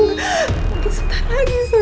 nanti sebentar lagi sayang